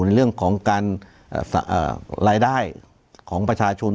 ในเรื่องของการรายได้ของประชาชน